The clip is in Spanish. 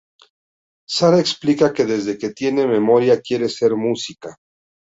Sara explica que desde que tiene memoria quiere ser música.